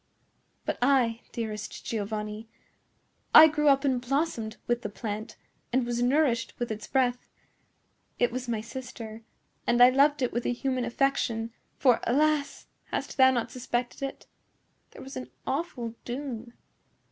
But I, dearest Giovanni,—I grew up and blossomed with the plant and was nourished with its breath. It was my sister, and I loved it with a human affection; for, alas!—hast thou not suspected it?—there was an awful doom."